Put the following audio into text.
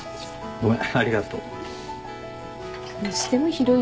ごめん。